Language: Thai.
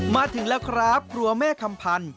มาถึงแล้วครับครัวแม่คำพันธ์